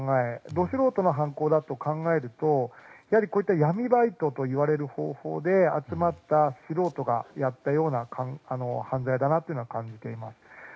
ど素人の犯行だと考えるとやはり闇バイトといわれる方法で集まった素人がやったような犯罪だなと感じています。